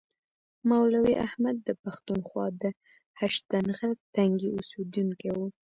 مولوي احمد د پښتونخوا د هشتنغر تنګي اوسیدونکی و.